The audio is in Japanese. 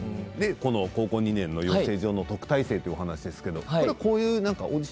高校２年生の時に養成所の特待生ということですね。